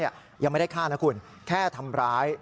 ยังไม่ได้ฆ่านะคุณแค่ทำร้าย